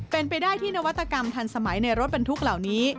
เป็นไปได้ที่นวัตกรรมทันสมัยในรถบรรทุกเหล่านี้